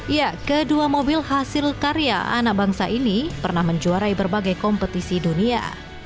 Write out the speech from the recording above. ya kedua mobil hasil karya anak bangsa ini pernah menjuarai berbagai kompetisi dunia